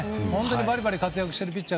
バリバリ活躍しているピッチャー